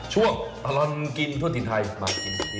ช่วงตลอดกเริ่มทั่วถิ่นไทยมากินทวดนี้ดี